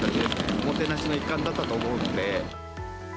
おもてなしの一環だったと思うんで。